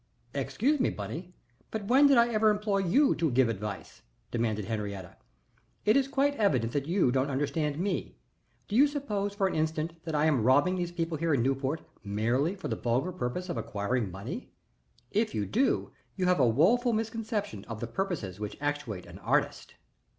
"Excuse me, Bunny, but when did I ever employ you to give advice?" demanded Henriette. "It is quite evident that you don't understand me. Do you suppose for an instant that I am robbing these people here in Newport merely for the vulgar purpose of acquiring money? If you do you have a woful misconception of the purposes which actuate an artist."